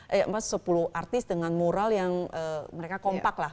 eh mas sepuluh artis dengan moral yang mereka kompak lah